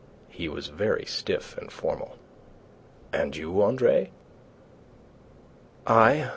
He was very stiff and formal. "And you, Andre?" "I?